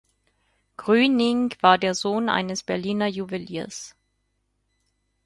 Grüning war der Sohn eines Berliner Juweliers.